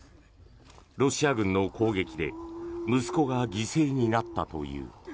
ロシア軍の攻撃で息子が犠牲になったという。